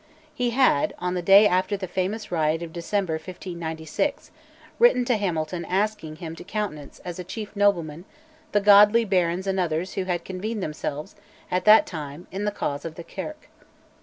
He had, on the day after the famous riot of December 1596, written to Hamilton asking him to countenance, as a chief nobleman, "the godly barons and others who had convened themselves," at that time, in the cause of the Kirk.